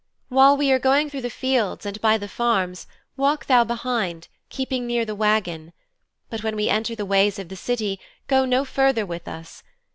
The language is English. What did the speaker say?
While we are going through the fields and by the farms walk thou behind, keeping near the wagon. But when we enter the ways of the City, go no further with us.